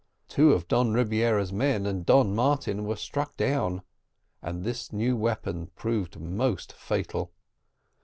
Two of Don Rebiera's men and Don Martin were struck down, and this new weapon proved most fatal.